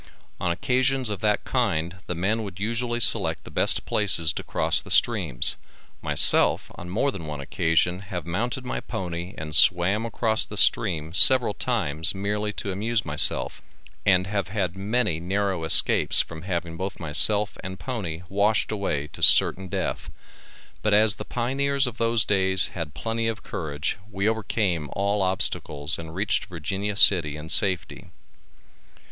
On occasions of that kind the men would usually select the best places to cross the streams, myself on more than one occasion have mounted my pony and swam across the stream several times merely to amuse myself and have had many narow escapes from having both myself and pony washed away to certain death, but as the pioneers of those days had plenty of courage we overcame all obstacles and reached Virginia City in safety.